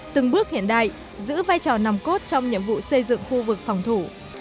từng bước hiện đại giữ vai trò nằm cốt trong nhiệm vụ xây dựng khu vực phòng thủ